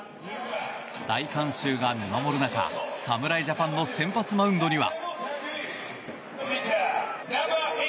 大観衆が見守る中侍ジャパンの先発マウンドには。